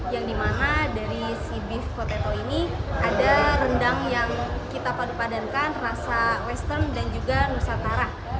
yang dimana dari si beef potato ini ada rendang yang kita padupadankan rasa western dan juga nusantara